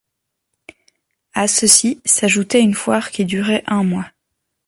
À ceci s'ajoutait une foire qui durait un mois.